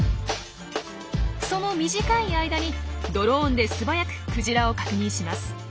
その短い間にドローンで素早くクジラを確認します。